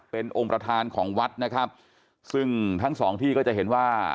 เป็นองค์ประธานของวัดนะครับซึ่งทั้งสองที่ก็จะเห็นว่า